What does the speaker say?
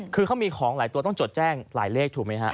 คือเขามีของหลายตัวต้องจดแจ้งหลายเลขถูกไหมฮะ